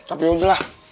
tapi yuk silah